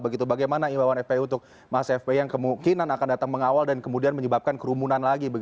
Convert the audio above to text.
bagaimana imbauan fpi untuk mas fpi yang kemungkinan akan datang mengawal dan kemudian menyebabkan kerumunan lagi